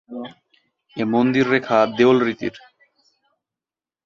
এ মন্দির রেখা দেউল রীতির।